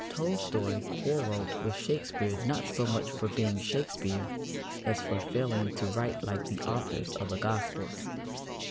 Tolstoy quarrelled with Shakespeare not so much for being Shakespeare as for failing to write like the authors of the Gospels.